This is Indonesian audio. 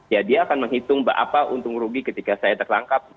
ya dia akan menghitung apa untung rugi ketika saya tertangkap